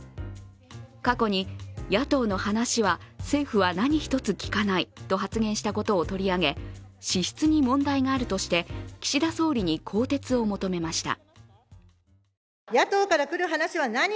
過去に野党の話は政府は何一つ聞かないと発言したことを取り上げ資質に問題があるとして、岸田総理に更迭を求めました。